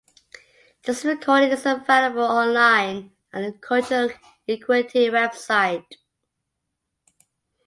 This recording is available online at the Cultural Equity website.